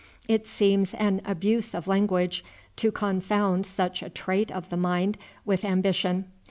It seems an abuse of language to confound such a trait of the mind with ambition.